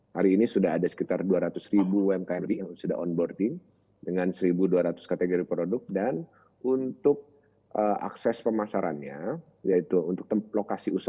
hari ini sudah ada sekitar dua ratus ribu umkm yang sudah onboarding dengan satu dua ratus kategori produk dan untuk akses pemasarannya yaitu untuk lokasi usaha